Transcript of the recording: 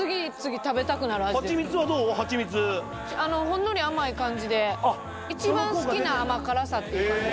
ほんのり甘い感じで一番好きな甘辛さっていう感じ。